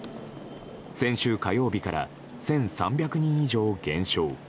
先週火曜日から１３００人以上減少。